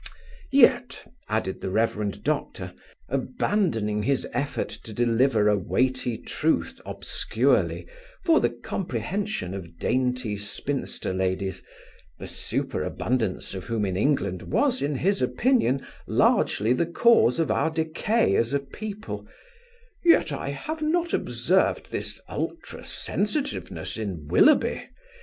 Ahem. Yet," added the Rev. Doctor, abandoning his effort to deliver a weighty truth obscurely for the comprehension of dainty spinster ladies, the superabundance of whom in England was in his opinion largely the cause of our decay as a people, "Yet I have not observed this ultra sensitiveness in Willoughby.